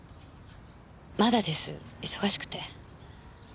まだです忙しくて。